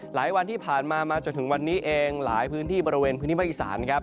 หลายวันที่ผ่านมามาจนถึงวันนี้เองหลายพื้นที่บริเวณพื้นที่ภาคอีสานครับ